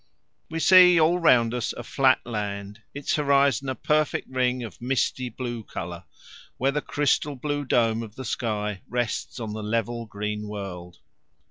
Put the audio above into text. We see all round us a flat land, its horizon a perfect ring of misty blue colour where the crystal blue dome of the sky rests on the level green world.